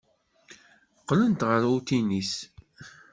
Qqlent ɣer utinis.